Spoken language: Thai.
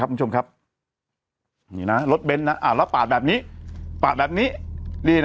คุณผู้ชมครับนี่นะรถเบ้นนะแล้วปาดแบบนี้ปาดแบบนี้นี่นะ